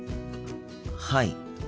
はい。